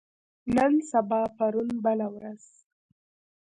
نن سبا پرون بله ورځ